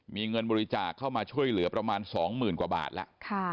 มีเงินบริจาคเข้ามาช่วยเหลือประมาณ๒๐๐๐กว่าบาทแล้ว